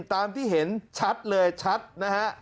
ตามที่เห็นชัดเลยชัดนะฮะ